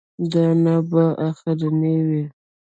دا نه به اخرنی وي.